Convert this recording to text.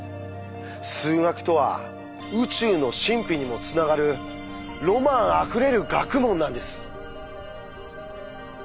数学とは宇宙の神秘にもつながるロマンあふれる学問なんです。